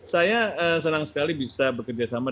saya senang sekali bisa bekerja sama